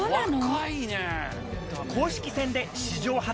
公式戦で。